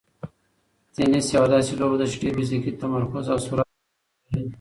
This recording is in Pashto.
تېنس یوه داسې لوبه ده چې ډېر فزیکي تمرکز او سرعت ته اړتیا لري.